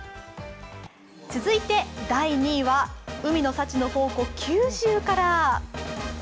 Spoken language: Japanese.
続いて第２位は海の幸の宝庫、九州から。